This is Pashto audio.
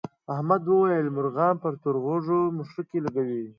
احمد وویل مرغان پر تور غوږو مښوکې لکوي.